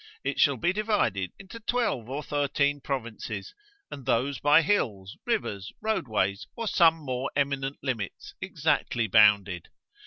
It shall be divided into 12 or 13 provinces, and those by hills, rivers, roadways, or some more eminent limits exactly bounded.